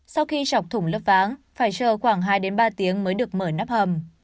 sau khi chọc thủng lớp váng phải chờ khoảng hai ba tiếng mới được mở nắp hầm